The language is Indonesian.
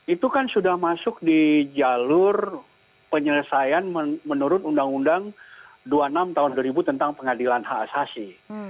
itu kan sudah masuk di jalur penyelesaian menurut undang undang dua puluh enam tahun dua ribu tentang pengadilan hak asasi